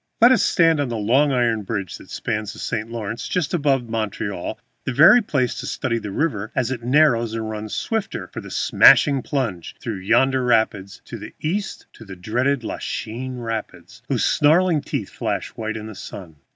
Let us stand on the long iron bridge that spans the St. Lawrence just above Montreal, the very place to study the river as it narrows and runs swifter for its smashing plunge through yonder rapids to the east, the dreaded Lachine Rapids, whose snarling teeth flash white in the sun.